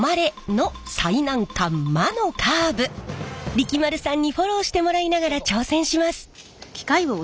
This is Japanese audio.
力丸さんにフォローしてもらいながら挑戦します。